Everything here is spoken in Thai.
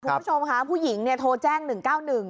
คุณผู้ชมค่ะผู้หญิงเนี่ยโทรแจ้งหนึ่งเก้าหนึ่ง